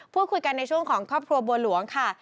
พูดคุยกันในช่วงของครอบครัวบัวหลวงค่ะ